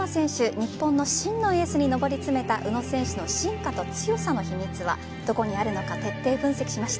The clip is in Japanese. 日本の真のエースに上り詰めた宇野選手の進化と強さの秘密はどこにあるのか徹底分析しました。